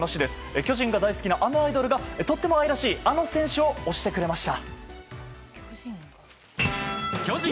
巨人が大好きなあのアイドルがとても愛らしいあの選手を推してくれました。